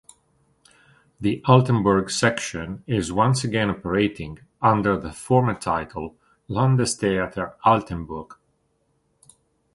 The Altenburg section is once again operating under the former title "Landestheater Altenburg".